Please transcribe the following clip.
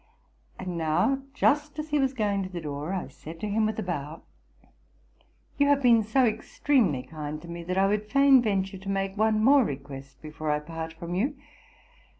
And now, just as he was going to the door, I said to him, with a bow, '* You have been so extremely kind to me that I would fain venture to make one more request before I part from you.